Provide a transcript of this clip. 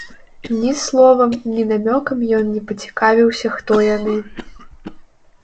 Ні словам, ні намёкам ён не пацікавіўся, хто яны.